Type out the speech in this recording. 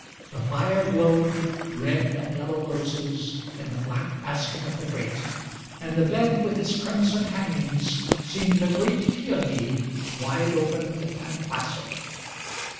The fire glowed â red and yellow rosesIn the black basket of the grate âAnd the bed with its crimson hangingsSeemed a great peony, Wide open and placid.